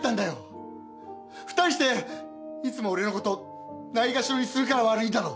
２人していつも俺の事ないがしろにするから悪いんだろ。